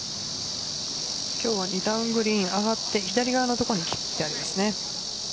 今日は二段グリーン上がって左側の所に切ってありますね。